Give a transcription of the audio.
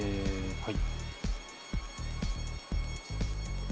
はい。